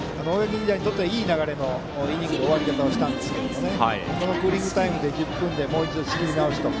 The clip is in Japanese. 日大にとってはいい流れのイニングの終わり方をしたんですけどもこのクーリングタイム１０分でもう一度、仕切り直しと。